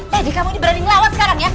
lady kamu ini berani ngelawan sekarang ya